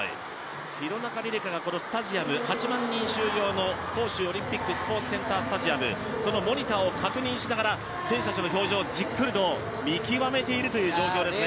廣中璃梨佳がこのスタジアム８万人収容の杭州オリンピックスポーツセンタースタジアムそのモニターを確認しながら選手たちの表情をじっくりと見極めているという状況ですよね。